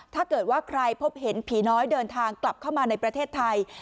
ถ้าเกิดว่าใครพบเห็นผีน้อยเดินทางกลับเข้ามาในประเทศไทย